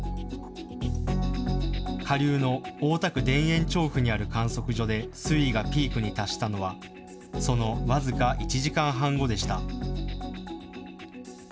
下流の大田区・田園調布にある観測所で水位がピークに達したのはその僅か１時間半後でした。